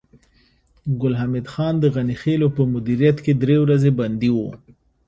ګل حمید خان د غني خېلو په مدیریت کې درې ورځې بندي و